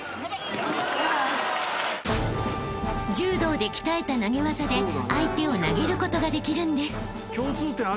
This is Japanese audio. ［柔道で鍛えた投げ技で相手を投げることができるんです］